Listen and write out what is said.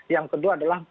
yang kedua adalah